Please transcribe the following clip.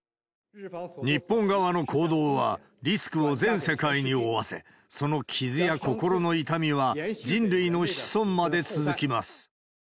日本側の行動は、リスクを全世界に負わせ、その傷や心の痛みは人類の子孫まで続きます。